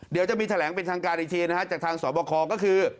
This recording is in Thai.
เดี๋ยวจะมีแถลงเป็นทางการอีกทีนะฮะจากทางสอบคอก็คือ